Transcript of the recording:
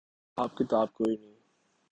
حساب کتاب کوئی نہیں۔